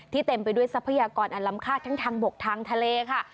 เต็มไปด้วยทรัพยากรอันลำคาดทั้งทางบกทางทะเลค่ะ